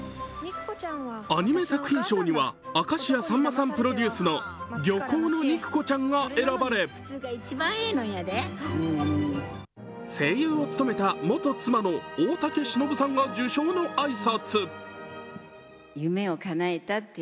アニメ作品賞には明石家さんまさんプロデュースの「漁港の肉子ちゃん」が選ばれ、声優を務めた元妻の大竹しのぶさんが受賞の挨拶。